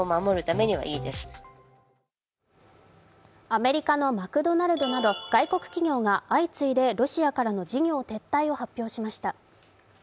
アメリカのマクドナルドなど外国企業が相次いでロシアからの事業撤退を発表しました。